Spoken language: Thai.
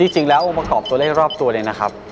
จริงแล้วองค์ประกอบตัวเลขรอบตัวเลยนะครับ